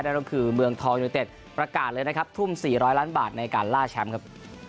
นั่นก็คือเมืองทองยูเต็ดประกาศเลยนะครับทุ่ม๔๐๐ล้านบาทในการล่าแชมป์ครับ